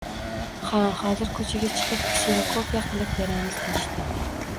«Ha, hozir ko‘chaga chiqib, kserokopiya qilib, beramiz», deyishdi.